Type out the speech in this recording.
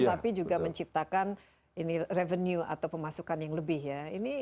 tapi juga menciptakan revenue atau pemasukan yang lebih ya